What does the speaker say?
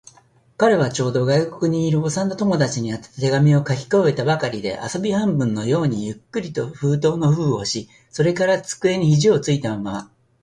彼はちょうど、外国にいる幼な友達に宛てた手紙を書き終えたばかりで、遊び半分のようにゆっくりと封筒の封をし、それから机に肘ひじをついたまま、